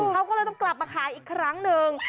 เขาก็เลยต้องกลับมาขายอีกครั้งหนึ่ง